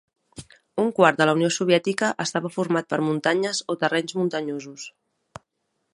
Un quart de la Unió Soviètica estava format per muntanyes o terrenys muntanyosos.